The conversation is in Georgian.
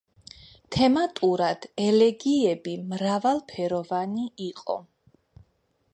თემატურად ელეგიები მრავალფეროვანი იყო.